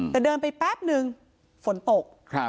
แต่เดินไปแป๊บนึงฝนตก